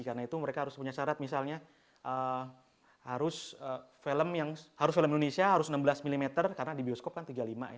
karena itu mereka harus punya syarat misalnya harus film indonesia harus enam belas mm karena di bioskop kan tiga puluh lima mm